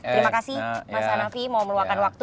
terima kasih mas hanafi mau meluangkan waktu